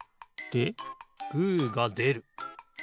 でグーがでる。